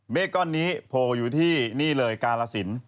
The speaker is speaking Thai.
ก้อนนี้โผล่อยู่ที่นี่เลยกาลสิน